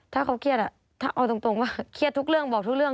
ถ้าเขาเครียดถ้าเอาตรงก็เครียดทุกเรื่องบอกทุกเรื่อง